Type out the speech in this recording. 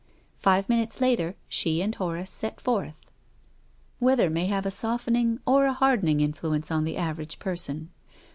Five minutes later she and Horace set forth. Weather may have a softening or a hardening influence on the average person.